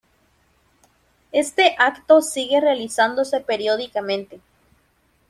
Este acto sigue realizándose periódicamente.